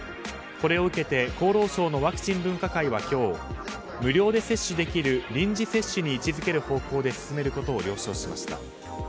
これを受けて厚労省のワクチン分科会は今日無料で接種できる臨時接種に位置づける方向で進めることを了承しました。